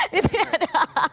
di sini ada